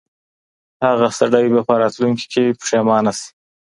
هغه سړی به په راتلونکي کي پښیمانه سي.